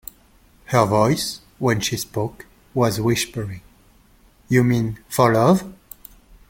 Her voice, when she spoke, was whispery: "You mean — for love?"